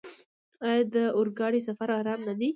آیا د اورګاډي سفر ارام نه دی؟